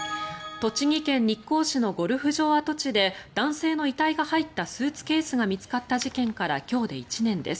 栃木県日光市のゴルフ場跡地で男性の遺体が入ったスーツケースが見つかった事件から今日で１年です。